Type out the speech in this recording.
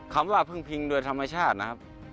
คำว่าพึ่งพิงโดยธรรมชาตินะครับ